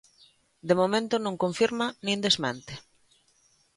De momento non confirma nin desmente.